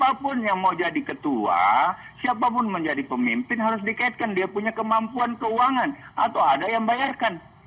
siapapun yang mau jadi ketua siapapun menjadi pemimpin harus dikaitkan dia punya kemampuan keuangan atau ada yang bayarkan